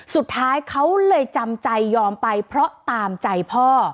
สุดท้ายเขาเลยจำใจยอมไปเพราะตามใจพ่อ